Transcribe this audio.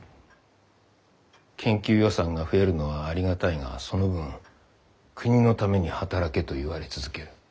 研究予算が増えるのはありがたいがその分「国のために働け」と言われ続ける。